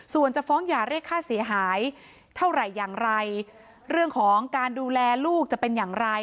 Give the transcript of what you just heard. ส่วนจะฟ้องหย่าเรียกค่าเสียหายเท่าไหร่อย่างไรเรื่องของการดูแลลูกจะเป็นอย่างไร